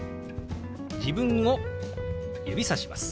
自分を指さします。